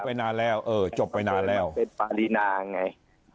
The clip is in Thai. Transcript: เป็นปารีนาอย่างไง